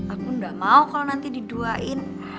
aku gak mau kalau nanti diduain